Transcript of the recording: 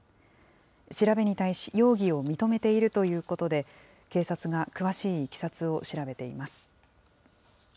調べに対し、容疑を認めているということで、警察が詳しいいきさつを調べています。